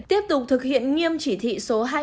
tiếp tục thực hiện nghiêm chỉ thị số hai mươi